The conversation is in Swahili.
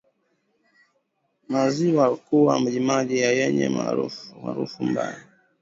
Maziwa kuwa majimaji na yenye harufu mbaya